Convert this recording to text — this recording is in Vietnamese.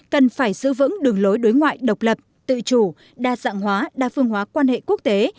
cần phải giữ vững đường lối đối ngoại độc lập tự chủ đa dạng hóa đa phương hóa quan hệ quốc tế